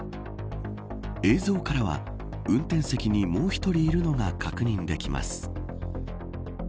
映像からは運転席にもう１人いるのが確認できます。